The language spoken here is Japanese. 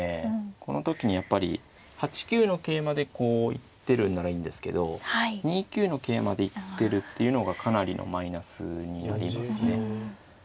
この時にやっぱり８九の桂馬でこう行ってるんならいいんですけど２九の桂馬で行ってるっていうのがかなりのマイナスになりますね。